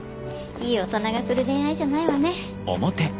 いい大人がする恋愛じゃないわね。